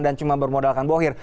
dan cuma bermodalkan bo hir